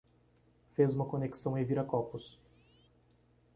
Fez uma conexão em Viracopos